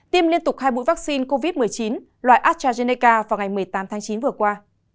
tiêm liên tục hai mũi vaccine covid một mươi chín loại astrazeneca vào ngày một mươi tám tháng chín vừa qua